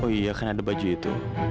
oh iya kan ada baju itu